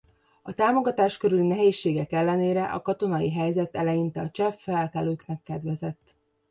A támogatás körüli nehézségek ellenére a katonai helyzet eleinte a cseh felkelőknek kedvezett.